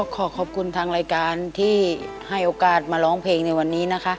ขอขอบคุณทางรายการที่ให้โอกาสมาร้องเพลงในวันนี้นะคะ